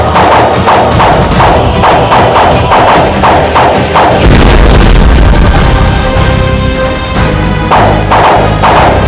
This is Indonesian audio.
dapat ku kuasai